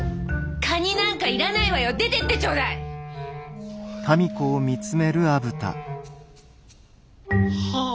カニなんかいらないわよ出てってちょうだい！はあ